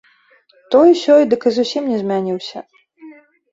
Той-сёй дык і зусім не змяніўся.